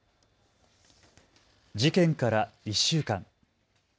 事件から１週間。